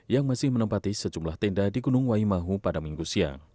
yang masih menempati sejumlah tenda di gunung waimahu pada minggu siang